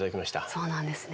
そうなんですね。